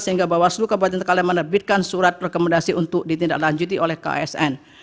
sehingga bawaslu kabupaten tekalan menerbitkan surat rekomendasi untuk ditindaklanjuti oleh ksn